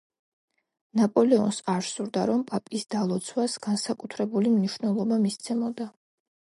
ნაპოლეონს არ სურდა, რომ პაპის დალოცვას განსაკუთრებული მნიშვნელობა მისცემოდა.